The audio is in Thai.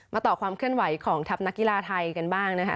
ต่อความเคลื่อนไหวของทัพนักกีฬาไทยกันบ้างนะคะ